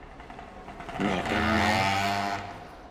Mẹ em nói